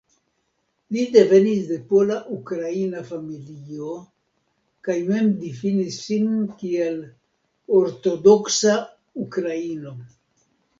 Li devenis de pola-ukraina familio kaj mem difinis sin kiel "ortodoksa ukraino".